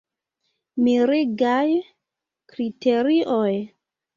Mirigaj kriterioj.